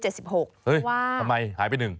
เฮ้ยทำไมหายไปหนึ่ง